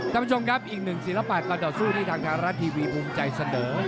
ท่านผู้ชมครับอีกหนึ่งศิลปะการต่อสู้ที่ทางไทยรัฐทีวีภูมิใจเสนอ